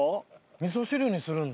みそ汁にするんだ。